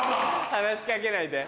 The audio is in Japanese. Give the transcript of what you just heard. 話し掛けないで。